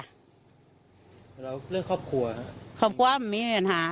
แล้วเรื่องครอบครัวครับครอบครัวไม่มีปัญหา